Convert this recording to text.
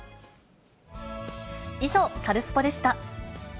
以上、カルスポっ！でした。